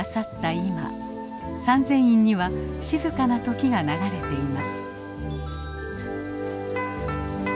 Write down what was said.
今三千院には静かな時が流れています。